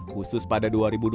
khusus pada dua ribu dua puluh